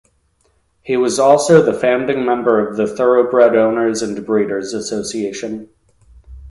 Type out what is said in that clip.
He was also the founding member of the Thoroughbred Owners and Breeders Association.